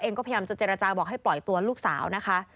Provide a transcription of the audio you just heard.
พยายามจะเจรจาบอกให้ปล่อยตัวลูกสาวนะคะ